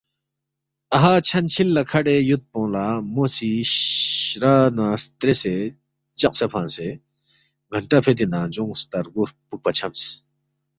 اَہا چھن چھِل لہ کھڈے یودپونگ لہ مو سی شرا نہ ستریسے چقسے فنگسے گھنٹہ فیدی ننگجونگ سترگو ہرپُوکپا چھمس